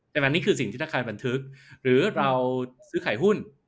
แต่มันนี่คือสิ่งที่ธนาคารบันทึกหรือเราซื้อขายหุ้น